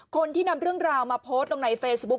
คนที่นำเรื่องราวมาโพสต์ลงในเฟซบุ๊ค